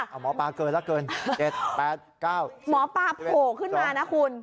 หมอปลาเกินแล้วเกินเจ็ดแปดเก้าหมอปลาโผล่ขึ้นมานะคุณ